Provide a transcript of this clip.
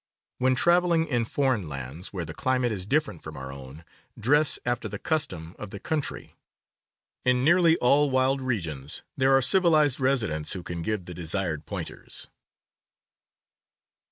When traveling in foreign lands, where the climate is different from our own, dress after the custom of the country. In nearly all wild regions there are civilized residents who can give the desired pointers.